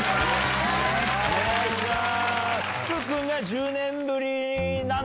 お願いします。